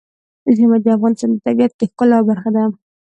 ژمی د افغانستان د طبیعت د ښکلا برخه ده.